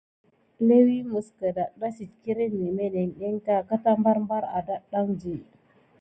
Léwi mis gəldada sit kirti mimeko keta bana bar adati.